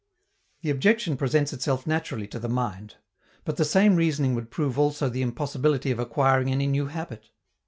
The objection presents itself naturally to the mind. But the same reasoning would prove also the impossibility of acquiring any new habit.